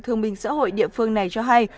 thương minh xã hội địa phương này cho hay